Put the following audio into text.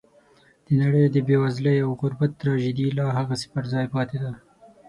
د نړۍ د بېوزلۍ او غربت تراژیدي لا هغسې پر ځای پاتې ده.